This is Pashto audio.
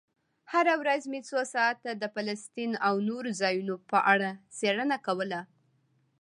هره ورځ مې څو ساعته د فلسطین او نورو ځایونو په اړه څېړنه کوله.